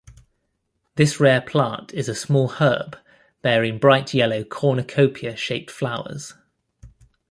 This rare plant is a small herb bearing bright yellow cornucopia-shaped flowers.